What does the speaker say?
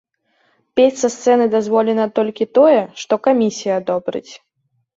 Пець са сцэны дазволена толькі тое, што камісія адобрыць.